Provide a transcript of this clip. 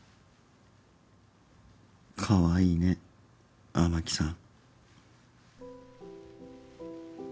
かわいいね雨樹さん。